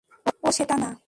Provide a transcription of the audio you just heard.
ও সেটা না।